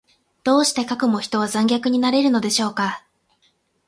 どうしてかくも人は残虐になれるのでしょうか。